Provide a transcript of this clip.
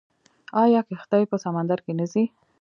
آیا کښتۍ په سمندر کې نه ځي؟